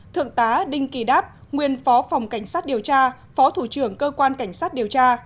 thượng tá đinh kỳ đáp nguyên phó phòng cảnh sát điều tra phó thủ trưởng cơ quan cảnh sát điều tra